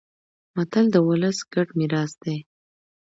متل د ولس ګډ میراث دی